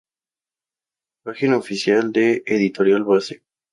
Página oficial de Editorial Base